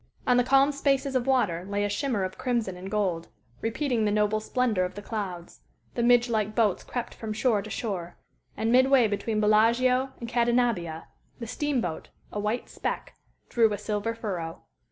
On the calm spaces of water lay a shimmer of crimson and gold, repeating the noble splendor of the clouds; the midgelike boats crept from shore to shore; and, midway between Bellaggio and Cadenabbia, the steam boat, a white speck, drew a silver furrow.